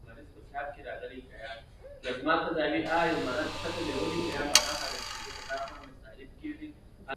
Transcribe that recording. د سږو د روغتیا لپاره له څه شي لرې اوسم؟